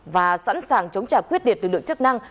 và sẵn sàng chống trả quyết liệt từ lượng chức năng